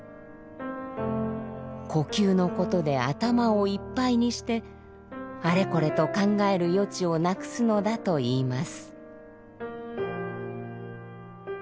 呼吸のことで頭をいっぱいにしてあれこれと考える余地をなくすのだといいます。